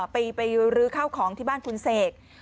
ไปรื้อข้าวของที่บ้านคุณเสก